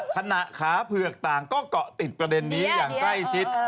ขณะขาเผือกต่างก็เกาะติดประเด็นนี้อย่างใกล้ชิด